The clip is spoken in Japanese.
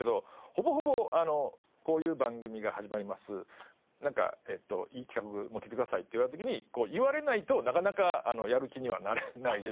ほぼほぼこういう番組が始まりますいい企画持ってきてくださいって言われた時に言われないとなかなかやる気にはなれないですし。